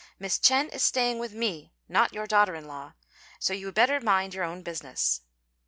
Miss Ch'ên is staying with me, not your daughter in law; so you had better mind your own business."